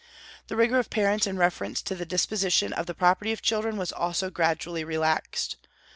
The rigor of parents in reference to the disposition of the property of children was also gradually relaxed.